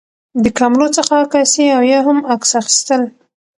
د کامرو څخه عکاسي او یا هم عکس اخیستل